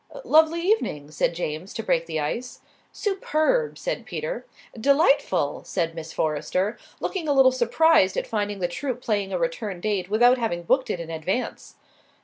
"Lovely evening," said James, to break the ice. "Superb," said Peter. "Delightful," said Miss Forrester, looking a little surprised at finding the troupe playing a return date without having booked it in advance.